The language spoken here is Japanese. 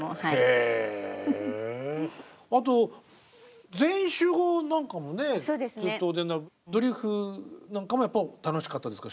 へえあと「全員集合」なんかもねずっとお出になってドリフなんかもやっぱり楽しかったですか